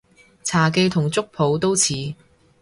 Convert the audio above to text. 茶記同粥舖都似